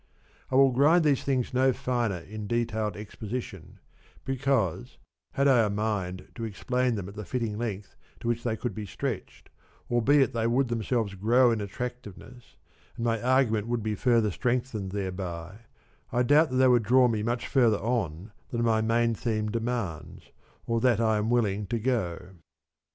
I will grind these things no finer in detailed exposition, because had I a mind to explain them at the fitting length to which they could be stretched, albeit they would themselves grow in attractiveness and my argument would be further 69 strengthened thereby, I doubt they would draw me much further on than my main theme demands, or than I am willing to go.